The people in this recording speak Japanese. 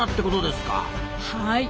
はい。